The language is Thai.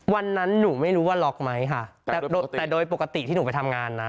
วันนั้นหนูไม่รู้ว่าล็อกไหมค่ะแต่โดยปกติที่หนูไปทำงานนะ